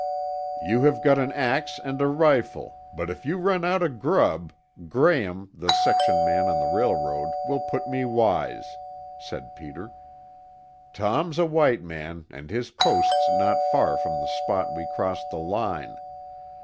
"You have got an ax and a rifle, but if you run out of grub, Graham, the section hand on the railroad will put me wise," said Peter. "Tom's a white man and his post's not far from the spot we crossed the line.